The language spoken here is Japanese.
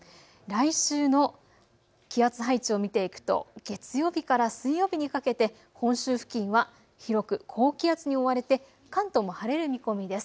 来週の気圧配置を見ていくと月曜日から水曜日にかけて本州付近は広く高気圧に覆われて関東も晴れる見込みです。